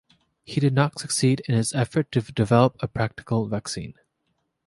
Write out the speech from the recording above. He did not succeed in his effort to develop a practical vaccine.